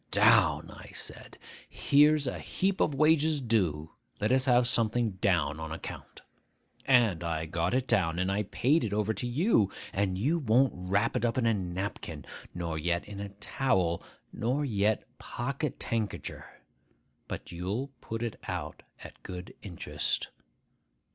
Down! I said, "Here's a heap of wages due; let us have something down, on account." And I got it down, and I paid it over to you; and you won't wrap it up in a napkin, nor yet in a towel, nor yet pocketankercher, but you'll put it out at good interest.